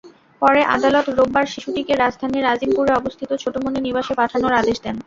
পরে আদালত রোববার শিশুটিকে রাজধানীর আজিমপুরে অবস্থিত ছোটমনি নিবাসে পাঠানোর আদেশ দেন।